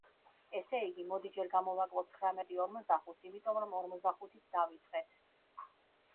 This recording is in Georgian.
ესე იგი, მოდი ჯერ გამოვაკლოთ ცხრამეტი ორმოცდახუთს, იმიტომ, რომ ორმოცდახუთით დავიწყეთ.